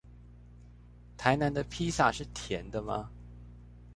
台南的披薩是甜的嗎？